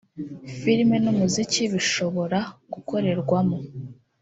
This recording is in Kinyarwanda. film n’umuziki bishobora gukorerwamo